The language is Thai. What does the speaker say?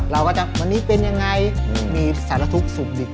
เราก็จะวันนี้เป็นยังไงมีสารทุกข์สุขดิบ